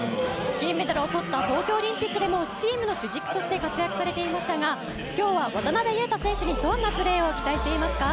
銀メダルをとった東京オリンピックでもチームの主軸として活躍されていましたが今日は渡邊雄太選手にどんなプレーを期待していますか？